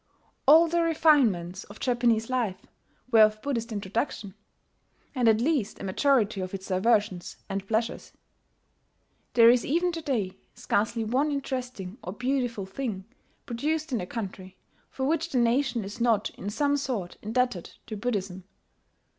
All the refinements of Japanese life were of Buddhist introduction, and at least a majority of its diversions and pleasures. There is even to day scarcely one interesting or beautiful thing, produced in the country, for which the nation is not in some sort indebted to Buddhism.